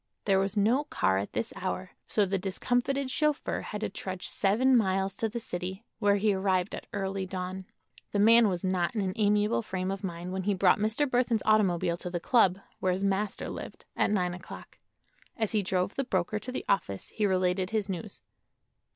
There was no car at this hour, so the discomfited chauffeur had to trudge seven miles to the city, where he arrived at early dawn. The man was not in an amiable frame of mind when he brought Mr. Burthon's automobile to the club, where his master lived, at nine o'clock. As he drove the broker to the office he related his news.